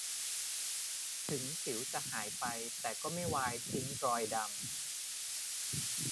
ถึงสิวจะหายไปแต่ก็ไม่วายทิ้งรอยดำ